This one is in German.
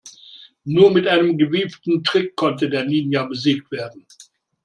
Nur mit einem gewieften Trick konnte der Ninja besiegt werden.